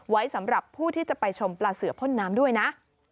ไว้สำหรับผู้ที่จะไปชมปลาเสือพ่นน้ำด้วยนะ